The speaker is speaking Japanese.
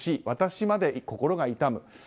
私まで心が痛む。